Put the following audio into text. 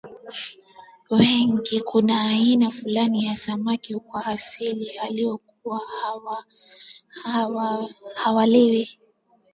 wengi kuna aina fulani ya samaki kwa asili walikuwa hawaliwi